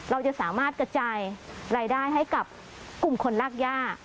เราจะสามารถกระจายรายได้ให้กับกลุ่มคนรากย่า